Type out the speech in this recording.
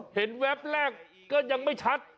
แวบแรกก็ยังไม่ชัด